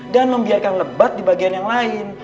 dan membiarkan lebat di bagian yang lain